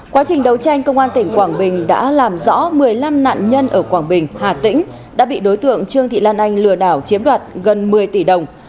quá trình đấu tranh công an tỉnh quảng bình đã làm rõ một mươi năm nạn nhân ở quảng bình hà tĩnh đã bị đối tượng trương thị lan anh lừa đảo chiếm đoạt gần một mươi tỷ đồng